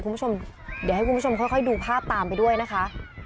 คุณผู้ชมเดี๋ยวให้คุณผู้ชมค่อยดูภาพตามไปด้วยนะคะ